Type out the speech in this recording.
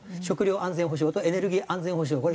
食料安全保障とエネルギー安全保障。